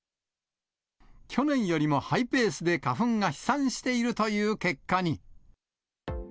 去年よりもハイペースで花粉が飛散しているという結果に。